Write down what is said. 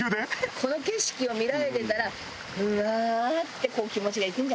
この景色を見られてたらふわーってこう気持ちがいくんじゃないの？